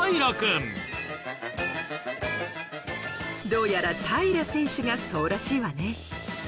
どうやら平良選手がそうらしいわね。